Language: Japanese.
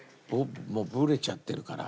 もうブレちゃってるから。